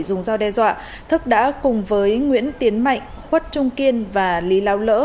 dùng giao đe dọa thức đã cùng với nguyễn tiến mạnh quất trung kiên và lý lão lỡ